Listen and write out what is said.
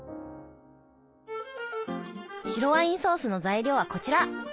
白ワインソースの材料はこちら！